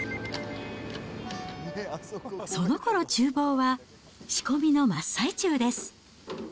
そのころ、ちゅう房は仕込みの真っ最中です。